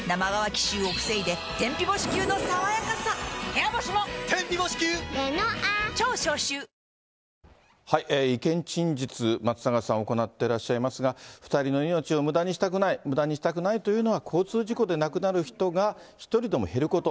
社会システムがちゃんと機能してる、意見陳述、松永さん行ってらっしゃいますが、２人の命をむだにしたくない、むだにしたくないというのは、交通事故で亡くなる人が一人でも減ること。